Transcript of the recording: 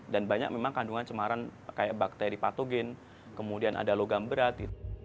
dan banyak memang kandungan cemaran kayak bakteri patogen kemudian ada logam berat